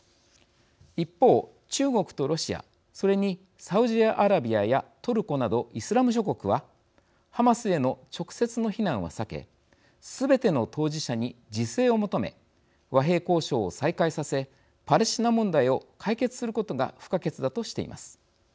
一方、中国とロシアそれに、サウジアラビアやトルコなどイスラム諸国はハマスへの直接の非難は避けすべての当事者に自制を求め和平交渉を再開させパレスチナ問題を解決することが不可欠だとしています。